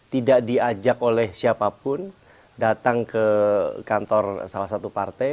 tidak diajak oleh siapapun datang ke kantor salah satu partai